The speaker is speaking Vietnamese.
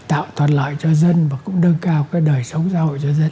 để mà tạo toàn loại cho dân và cũng đơn cao cái đời sống xã hội cho dân